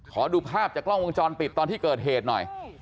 ขอดูภาพจากกล้องวงจรปิดตอนที่เกิดเหตุหน่อย